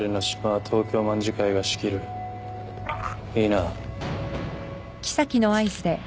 いいな？